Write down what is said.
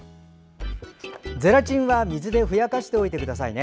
ゼラチンは水でふやかしておいてくださいね。